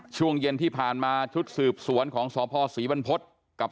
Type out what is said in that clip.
ช่วงเย็นที่ผ่านมาชุดสืบสวนของสศศนศศรีวรรณพจน์